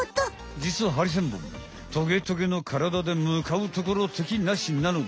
じつはハリセンボントゲトゲのからだでむかうところ敵なしなのだ！